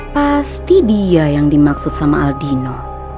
pasti dia yang dimaksud sama aldino